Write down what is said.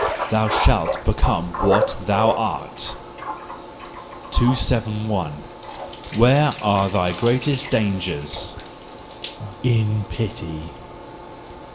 —"Thou shalt become what thou art." 271. Where are thy Greatest Dangers ?—In pity.